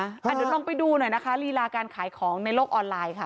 เดี๋ยวลองไปดูหน่อยนะคะลีลาการขายของในโลกออนไลน์ค่ะ